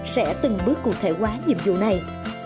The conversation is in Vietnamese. sẽ từng bước cụ thể quá nhiệm vụ này